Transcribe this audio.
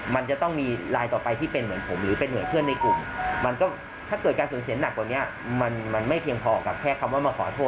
มันไม่เพียงพอกับแค่คำว่ามาขอโทษ